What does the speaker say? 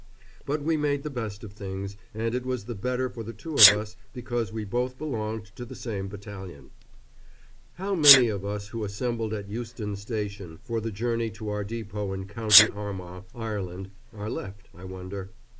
But we made the best of things, and it was the better for the two of us because we both belonged to the same battalion. How many of us who assembled at Euston Station for the journey to our depot in County Armagh, Ireland, are left, I wonder?